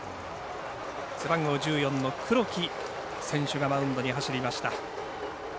背番号１４の黒木選手がマウンドに走りました。